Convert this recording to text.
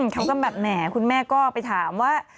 เขาก็แบบแหมคุณแม่ก็ไปถามว่า